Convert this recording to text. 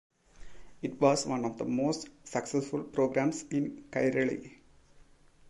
It was one of the most successful programs in Kairali.